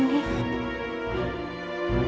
nama perusahaan yang akan beli lahan ini